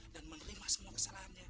dan menerima semua kesalahannya